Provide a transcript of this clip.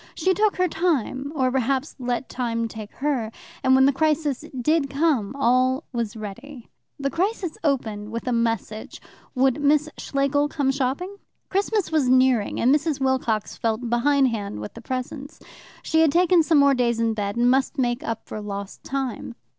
She took her time, or perhaps let time take her, and when the crisis did come all was ready. The crisis opened with a message: would Miss Schlegel come shopping? Christmas was nearing, and Mrs. Wilcox felt behind hand with the presents. She had taken some more days in bed, and must make up for lost time.